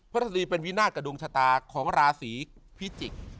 พระศนีร์เป็นวินากระดงชตาของราศีพฤศบ